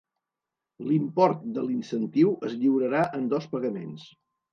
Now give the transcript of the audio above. L'import de l'incentiu es lliurarà en dos pagaments.